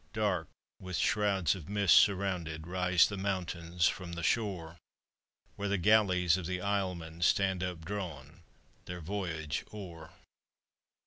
Dark with shrouds of mist surrounded Else the mountains from the shore, "Where the galleys of the islemen Stand updrawn, their voyage o'er.